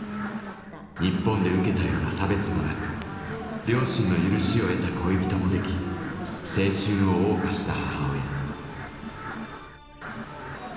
日本で受けたような差別もなく両親の許しを得た恋人もでき青春を謳歌した母親。